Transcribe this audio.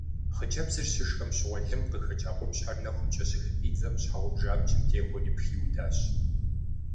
Хъыджэбзыр щышхэм щыгъуэ лым къыхэкӀа къупщхьэр нэхумкӀэ щыхыфӀидзэм щхьэгъубжэ абджым техуэри пхиудащ.